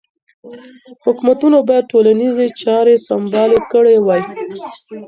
حکومتونو باید ټولنیزې چارې سمبالې کړې وای.